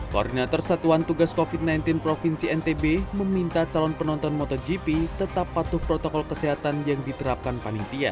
koordinator satuan tugas covid sembilan belas provinsi ntb meminta calon penonton motogp tetap patuh protokol kesehatan yang diterapkan panitia